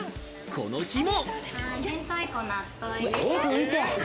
この日も。